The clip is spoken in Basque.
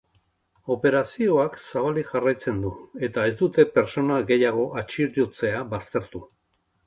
Operazioak zabalik jarraitzen du, eta ez dute pertsona gehiago atxilotzea baztertu.